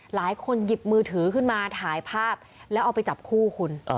หยิบมือถือขึ้นมาถ่ายภาพแล้วเอาไปจับคู่คุณ